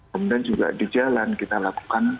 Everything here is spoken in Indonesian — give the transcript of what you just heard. kemudian juga di jalan kita lakukan